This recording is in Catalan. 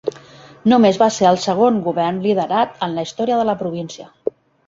Només va ser el segon govern liderat en la història de la província.